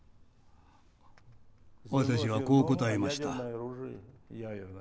私はこう答えました。